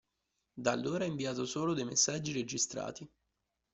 Da allora ha inviato solo dei messaggi registrati.